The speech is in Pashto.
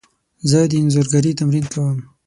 زه د انځورګري تمرین کوم.